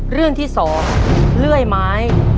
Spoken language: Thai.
เรื่องที่๒เลื่อยไม้